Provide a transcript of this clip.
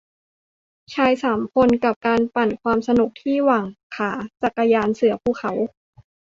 ชายสามคน กับการปั่นความสนุกที่หว่างขา จักรยานเสือภูเขา